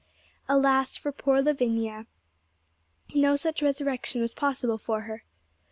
Alas for poor Lavinia! no such resurrection was possible for her.